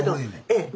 ええ。